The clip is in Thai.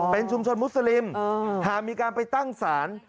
เป็นชุมชนมุสลิมหากมีการไปตั้งศาล